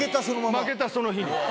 負けたその日に。